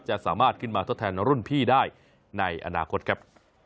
จะสามารถขึ้นมาทดแทนรุ่นพี่ได้ในอนาคตครับ